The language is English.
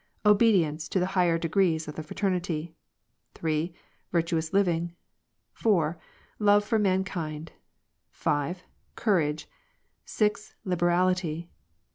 Obedience to the higher degrees of the Fraternity. 3. Virtuous living, 4. Love for mankind. 6. Courage. 6. Liberality.